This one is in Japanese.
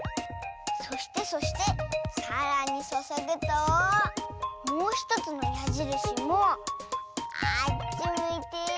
そしてそしてさらにそそぐともうひとつのやじるしもあっちむいてほい！